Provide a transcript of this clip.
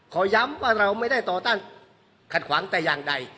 ขอย้ำว่าเราไม่ได้ต่อต้านขัดขวางแต่อย่างใด